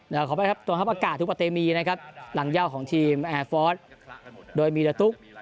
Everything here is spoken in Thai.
ต้องครับอากาศทุกประเทศมีนะครับหลังยาวของทีมแอร์ฟอศด้วยมีร่ะตุ๊ก